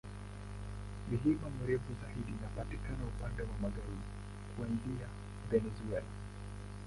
Milima mirefu zaidi inapatikana upande wa magharibi, kuanzia Venezuela.